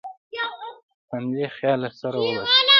حملې خیال له سره وباسي.